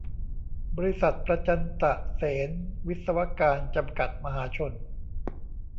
บริษัท ประจันตะเสนวิศวการ จำกัด มหาชน